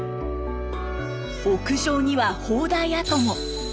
屋上には砲台跡も。